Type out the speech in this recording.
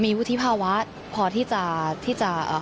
มีวุฒิภาวะพอที่จะควบคุมอารมณ์ได้เหมือนกันนะคะ